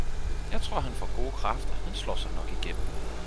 jeg tror han får gode kræfter, han slår sig nok igennem!